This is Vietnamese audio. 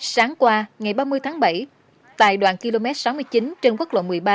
sáng qua ngày ba mươi tháng bảy tại đoạn km sáu mươi chín trên quốc lộ một mươi ba